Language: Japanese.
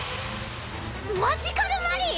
マジカル・マリー⁉